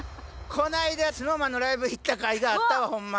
この間ＳｎｏｗＭａｎのライブ行ったかいがあったわホンマ。